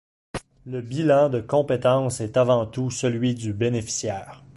Le bilan de compétence est avant tout celui du bénéficiaire.